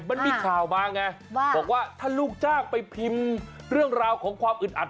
มันมีข่าวมาไงบอกว่าถ้าลูกจ้างไปพิมพ์เรื่องราวของความอึดอัด